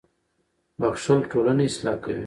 • بښل ټولنه اصلاح کوي.